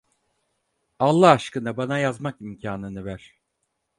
Allah aşkına bana yazmak imkânını ver.